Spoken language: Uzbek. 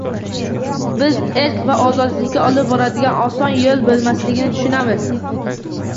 Biz erk va ozodlikka olib boradigan oson yo‘l bo‘lmasligini tushunamiz